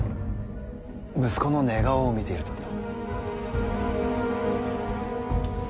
息子の寝顔を見ている時の。